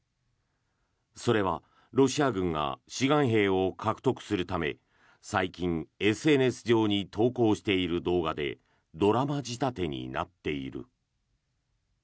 それはロシア軍が志願兵を獲得するため最近、ＳＮＳ上に投稿している動画でドラマ仕立てになっている。